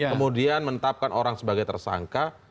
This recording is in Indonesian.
kemudian menetapkan orang sebagai tersangka